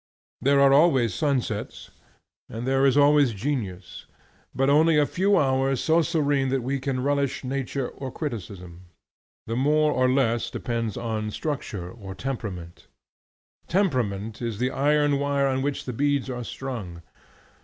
There are always sunsets, and there is always genius; but only a few hours so serene that we can relish nature or criticism. The more or less depends on structure or temperament. Temperament is the iron wire on which the beads are strung.